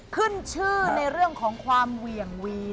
ขึ้นชื่อในเรื่องของความเหวี่ยงวีน